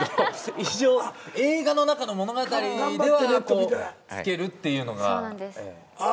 一生映画の中の物語では着けるっていうのが。